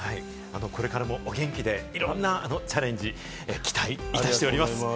これからもお元気で、いろんなチャレンジを期待しております。